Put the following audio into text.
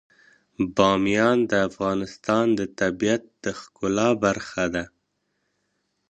بامیان د افغانستان د طبیعت د ښکلا برخه ده.